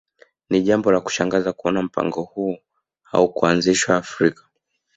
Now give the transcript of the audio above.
Ni jambo la kushangaza kuona kuwa mpango huu haukuanzishwa Afrika